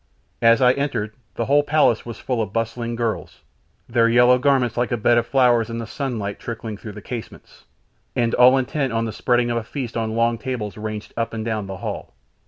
As I entered, the whole place was full of bustling girls, their yellow garments like a bed of flowers in the sunlight trickling through the casements, and all intent on the spreading of a feast on long tables ranged up and down the hall.